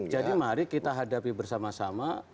jadi mari kita hadapi bersama sama